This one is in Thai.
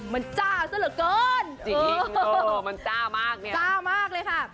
มันจ้าซะเหลือเกินจริงเออมันจ้ามากเนี่ยจ้ามากเลยค่ะ